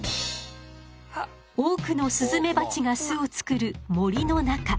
多くのスズメバチが巣を作る森の中。